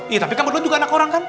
iya tapi kan bedul juga anak orang kan